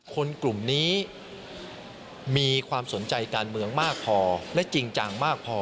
คนกลุ่มนี้มีความสนใจการเมืองมากพอและจริงจังมากพอ